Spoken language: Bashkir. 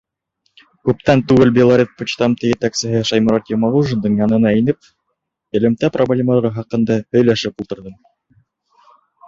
Күптән түгел Белорет почтамты етәксеһе Шайморат Йомағужиндың янына инеп, элемтә проблемалары хаҡында һөйләшеп ултырҙым.